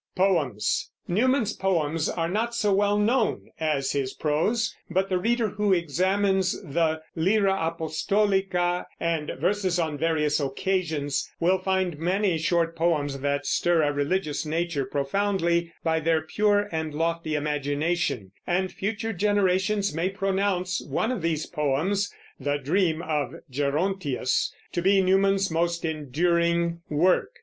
Newman's poems are not so well known as his prose, but the reader who examines the Lyra Apostolica and Verses on Various Occasions will find many short poems that stir a religious nature profoundly by their pure and lofty imagination; and future generations may pronounce one of these poems, "The Dream of Gerontius," to be Newman's most enduring work.